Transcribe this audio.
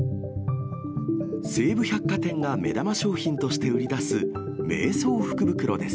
西武百貨店が目玉商品として売り出す瞑想福袋です。